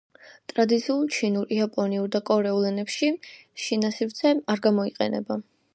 ტრადიციულ ჩინურ, იაპონურ და კორეულ ენებში ნიშანსივრცე არ გამოიყენება.